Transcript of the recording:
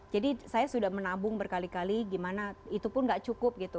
saya sudah menabung berkali kali gimana itu pun gak cukup gitu